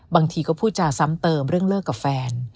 บางทีก็พูดจาซ้ำเติมเรื่องเลิกกับแฟน